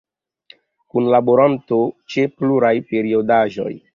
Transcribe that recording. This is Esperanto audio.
Kunlaboranto ĉe pluraj periodaĵoj.